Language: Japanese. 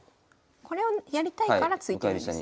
これをやりたいから突いてるんですね。